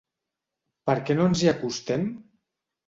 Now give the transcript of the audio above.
Per què no ens hi acostem?